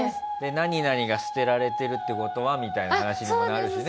何々が捨てられてるって事はみたいな話にもなるしね。